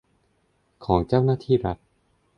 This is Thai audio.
ของเจ้าหน้าที่รัฐ